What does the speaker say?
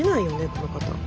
この方。